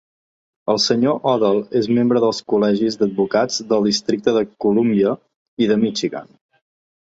El Sr. Odle és membre dels col·legis d'advocats del Districte de Colúmbia i de Michigan.